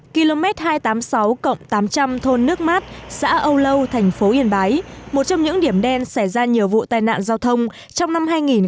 km hai trăm tám mươi sáu cộng tám trăm linh thôn nước mát xã âu lâu thành phố yên bái một trong những điểm đen xảy ra nhiều vụ tai nạn giao thông trong năm hai nghìn một mươi tám